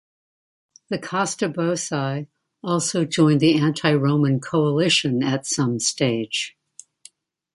The Costoboci also joined the anti-Roman coalition at some stage.